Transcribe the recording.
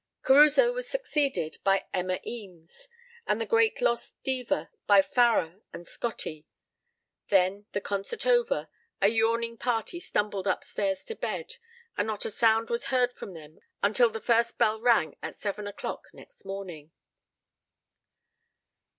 Caruso was succeeded by Emma Eames, and the great lost diva by Farrar and Scotti. Then, the concert over, a yawning party stumbled upstairs to bed and not a sound was heard from them until the first bell rang at seven o'clock next morning.